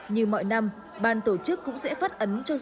như mọi năm ban tổ chức cũng sẽ phát ấn cho du khách